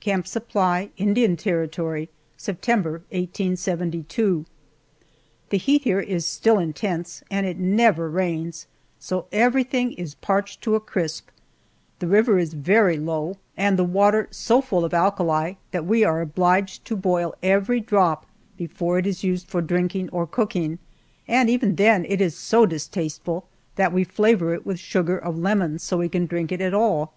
CAMP SUPPLY, INDIAN TERRITORY, September, 1872. THE heat here is still intense, and it never rains, so everything is parched to a crisp. The river is very low and the water so full of alkali that we are obliged to boil every drop before it is used for drinking or cooking, and even then it is so distasteful that we flavor it with sugar of lemons so we can drink it at all.